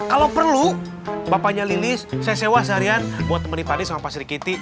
kalau perlu bapaknya lilis saya sewa seharian buat temenin pak deh sama pak sirikiti